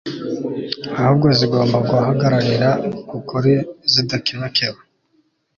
ahubwo zigomba guhagararira ukuri zidakebakeba